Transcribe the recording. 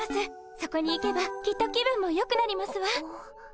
そこに行けばきっと気分もよくなりますわ。